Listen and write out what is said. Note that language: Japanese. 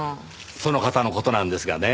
その方の事なんですがね。